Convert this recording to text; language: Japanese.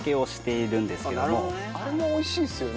あれも美味しいですよね